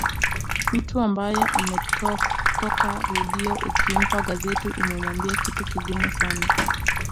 Mtu ambaye ametoka redio ukimpa gazeti umemwambia kitu kigumu sana